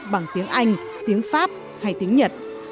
bằng tiếng anh tiếng pháp hay tiếng nhật